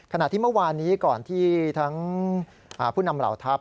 ขณะที่เมื่อวานนี้ก่อนที่ทั้งผู้นำเหล่าทัพ